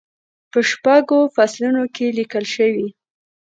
په شپږو فصلونو کې لیکل شوې.